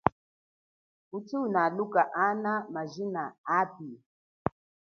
Kuchi unaluka ana majina api?